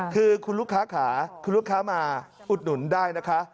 คือคุณลูกค้าขาคุณลูกค้ามาอุดหนุนได้นะคะ